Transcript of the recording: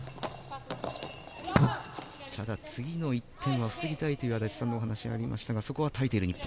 ただ、次の１点を防ぎたいという安達さんのお話がありましたがそこは耐えている日本。